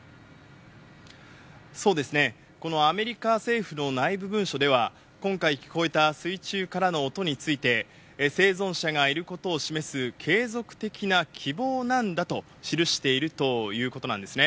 そうですね、このアメリカ政府の内部文書では、今回、聞こえた水中からの音について、生存者がいることを示す継続的な希望なんだと記しているということなんですね。